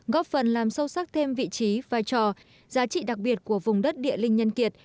góp phần làm sâu sắc thêm vị trí vai trò giá trị đặc biệt của vùng đất địa linh nhân kiệt